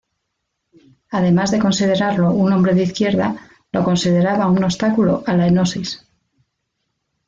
Además de considerarlo un hombre de izquierda, lo consideraba un obstáculo a la Enosis.